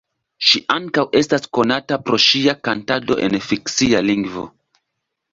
Ŝi ankaŭ estas konata pro ŝia kantado en fikcia lingvo.